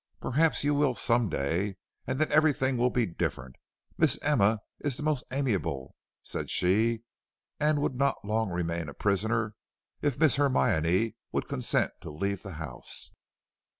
Perhaps you will some day, and then everything will be different. Miss Emma is the most amiable," said she, "and would not long remain a prisoner if Miss Hermione would consent to leave the house."